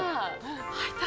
開いた！